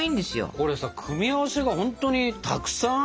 これさ組み合わせがほんとにたくさんあるんだね。